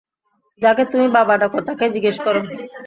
যাকে তুমি বাবা ডাকো, তাকেই জিজ্ঞেস করো।